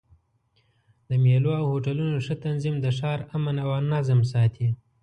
د مېلو او هوټلونو ښه تنظیم د ښار امن او نظم ساتي.